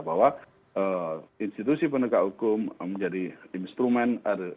bahwa institusi penegak hukum menjadi instrumen